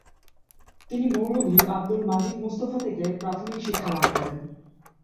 তিনি মৌলভী আব্দুল মাজিদ মুস্তফা থেকে প্রাথমিক শিক্ষা লাভ করেন।